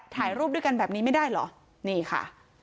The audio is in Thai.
ถ่ายรูปด้วยกันแบบนี้ไม่ได้เหรอนี่ค่ะ